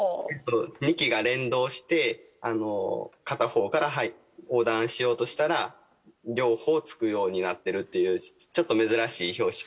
２基が連動して片方から横断しようとしたら両方つくようになってるっていうちょっと珍しい標識。